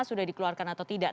sudah dikeluarkan atau tidak